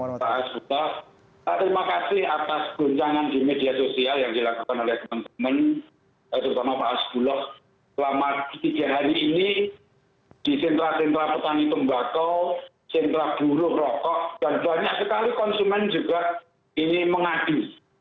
pak hasbullah terima kasih atas goncangan di media sosial yang dilakukan oleh teman teman terutama pak hasbuloh selama tiga hari ini di sentra sentra petani tembakau sentra buruh rokok dan banyak sekali konsumen juga ini mengadu